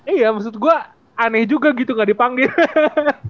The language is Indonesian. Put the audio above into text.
iya maksud gua aneh juga gitu nggak dipanggil hehehe